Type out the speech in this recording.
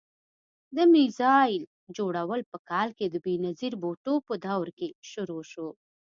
د میزایل جوړول په کال کې د بېنظیر بوټو په دور کې شروع شو.